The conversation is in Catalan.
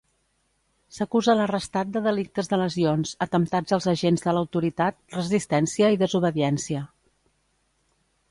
S'acusa l'arrestat de delictes de lesions, atemptats als agents de l'autoritat, resistència i desobediència.